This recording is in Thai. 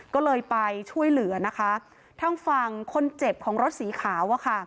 ก็เลยไปช่วยเหลือนะคะทางฝั่งคนเจ็บของรถสีขาวอะค่ะ